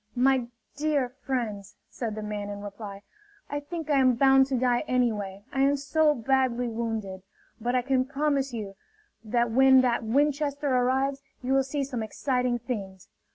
"My dear friends," said the man in reply, "I think I am bound to die anyway, I am so badly wounded. But I can promise you that when that Winchester arrives, you will see some exciting things.